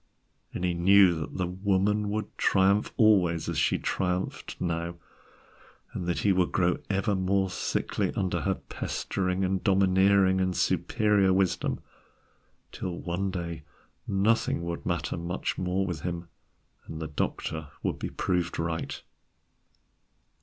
And he knew that the Woman would triumph always as she triumphed now, and that he would grow ever more sickly under her pestering and domineering and superior wisdom, till one day nothing would matter much more with him, and the doctor would be proved right.